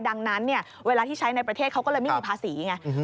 ดังนั้นเวลาที่ใช้ในประเทศเขาก็เลยไม่มีภาษีไง